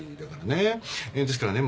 ですからね